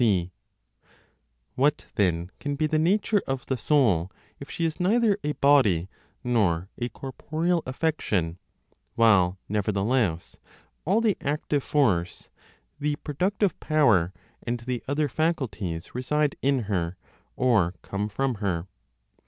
c. What then can be the nature of the soul, if she is neither a body, nor a corporeal affection, while, nevertheless, all the active force, the productive power and the other faculties reside in her, or come from her?